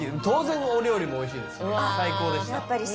当然お料理もおいしいですしね最高でした。